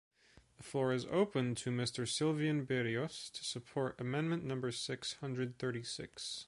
The floor is open to Mr Sylvain Berrios, to support amendment number six hundred thirty six.